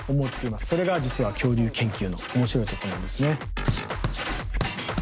それが実は恐竜研究の面白いところなんですね。